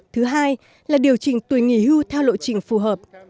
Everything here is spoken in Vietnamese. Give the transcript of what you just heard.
thứ hai là điều chỉnh tuổi nghỉ hưu theo lộ trình phù hợp